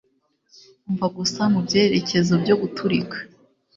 umva gusa mubyerekezo byo guturika